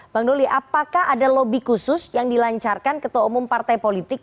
bang doli apakah ada lobby khusus yang dilancarkan ketua umum partai politik